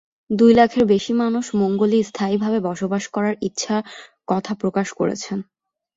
দুই লাখের বেশি মানুষ মঙ্গলে স্থায়ীভাবে বসবাস করার ইচ্ছার কথা প্রকাশ করেছেন।